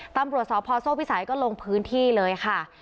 ตำรวจสพโซ่พิสัยก็ลงพื้นที่เลยค่ะ